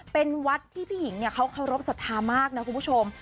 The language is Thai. เป็นวัดที่พี่หญิงเขาเคารพสัทธามากนะคุณผู้ชม